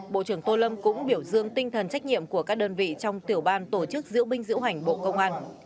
bộ trưởng tô lâm cũng biểu dương tinh thần trách nhiệm của các đơn vị trong tiểu ban tổ chức diễu binh diễu hành bộ công an